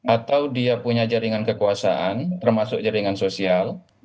atau dia punya jaringan kekuasaan termasuk jaringan sosial